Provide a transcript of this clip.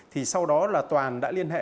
thì sau đó là toàn đã liên hệ